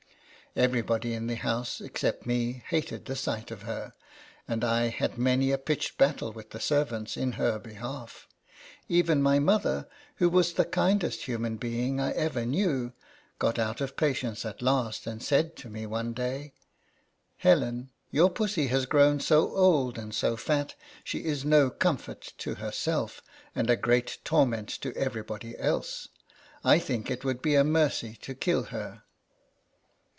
Everybody in the house, except me, hated the sight' of her; and I had many a pitched battle with the servants in her behalf. Even my mother, who was the kindest human being I ever knew, got out of patience at last, and said to me one day: 20 INTRODUCTION. " Helen, your Pussy has grown so old and so fat, she is no comfort to herself, and a great torment to everybody else. I think it would be a mercy to kill her."